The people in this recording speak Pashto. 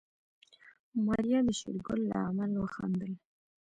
ماريا د شېرګل له عمل وخندل.